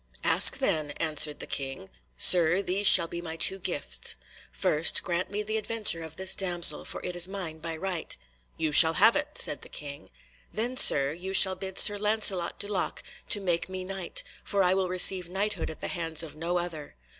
"Ask them," answered the King. "Sir, these shall be my two gifts. First grant me the adventure of this damsel, for it is mine by right." "You shall have it," said the King. "Then, Sir, you shall bid Sir Lancelot du Lake to make me Knight, for I will receive Knighthood at the hands of no other."